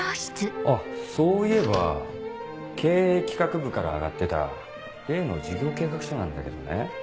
あっそういえば経営企画部から上がってた例の事業計画書なんだけどね。